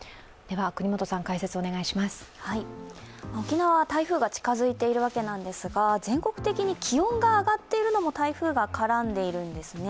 沖縄は台風が近づいているわけですが、全国的に気温が上がっているのも台風が絡んでいるんですね。